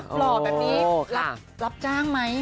หล่อแบบนี้รับจ้างไหม